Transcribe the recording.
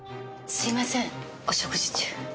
すいませんお食事中。